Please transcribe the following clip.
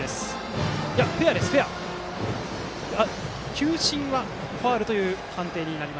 球審はファウルという判定。